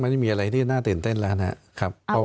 ไม่ได้มีอะไรที่น่าตื่นเต้นเหลอะครับ